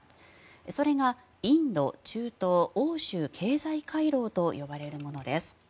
それがインド・中東・欧州経済回廊と呼ばれるものです。